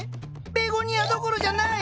ベゴニアどころじゃない！